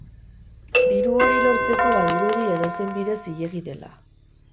Diru hori lortzeko badirudi edozein bide zilegi dela.